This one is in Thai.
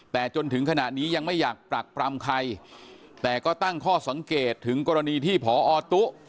แต่จนถึงขณะนี้ยังไม่อยากปรักปรำใครแต่ก็ตั้งข้อสังเกตถึงกรณีที่พอตุ๊